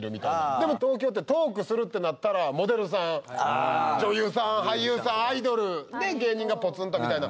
でも東京ってトークするってなったらモデルさん女優さん俳優さんアイドル。で芸人がぽつんとみたいな。